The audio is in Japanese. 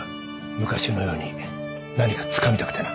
昔のように何かつかみたくてな。